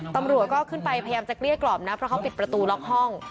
ตำรวจก็ขึ้นไปพยายามจะเกลี้ยกล่อมนะเพราะเขาปิดประตูล็อกห้อง